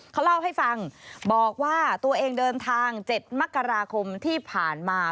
เขาเล่าให้ฟังบอกว่าตัวเองเดินทาง๗มกราคมที่ผ่านมา